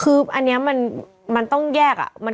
คืออันนี้มันต้องแยก